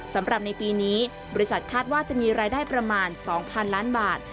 สำหรับในปีนี้บริษัทคาดว่าจะมีรายได้ประมาณ๒๐๐๐ล้านบาท